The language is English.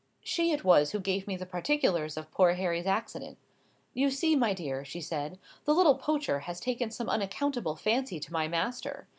She it was who gave me the particulars of poor Harry's accident. "You see, my dear," she said, "the little poacher has taken some unaccountable fancy to my master."